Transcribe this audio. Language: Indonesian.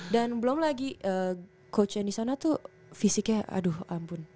dan belum lagi coachnya di sana tuh fisiknya aduh ampun